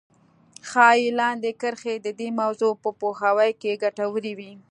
ښايي لاندې کرښې د دې موضوع په پوهاوي کې ګټورې وي.